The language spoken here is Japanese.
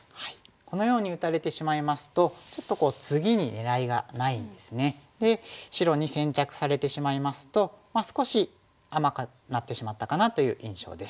このように打たれてしまいますとちょっと次に狙いがないんですね。で白に先着されてしまいますとまあ少し甘くなってしまったかなという印象です。